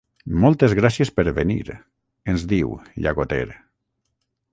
Moltes gràcies per venir —ens diu, llagoter—.